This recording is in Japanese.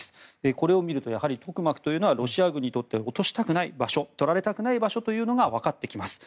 これを見るとやはりトクマクというのはロシア軍にとって落としたくない場所取られたくない場所というのがわかってきます。